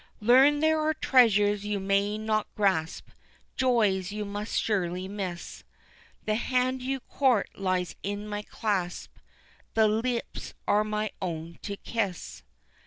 Learn there are treasures you may not grasp, Joys you must surely miss, The hand you court lies in my clasp The lips are my own to kiss.